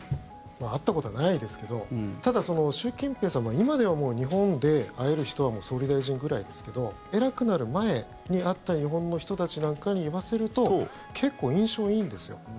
会ったことはないですけどただ、習近平さんは今では日本で会える人は総理大臣ぐらいですけど偉くなる前に会った日本の人たちなんかに言わせると結構、印象いいんですよ。